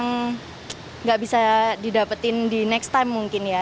gara gara dunia politik juga